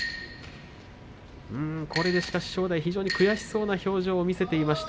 これで正代、悔しそうな表情を見せていました。